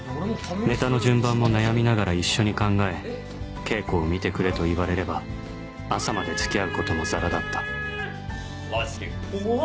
ネタの順番も悩みながら一緒に考え稽古を見てくれと言われれば朝まで付き合うこともざらだったレスキュー。